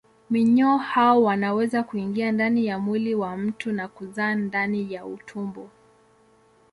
Minyoo hao wanaweza kuingia ndani ya mwili wa mtu na kuzaa ndani ya utumbo.